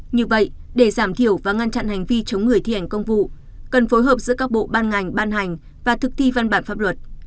như vậy để giảm thiểu và ngăn chặn hành vi chống người thi hành công vụ cần phối hợp giữa các bộ ban ngành ban hành và thực thi văn bản pháp luật